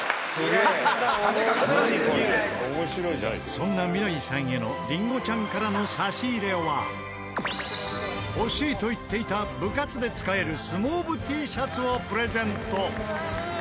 そんな未徠さんへのりんごちゃんからの差し入れは欲しいと言っていた部活で使える相撲部Ｔシャツをプレゼント。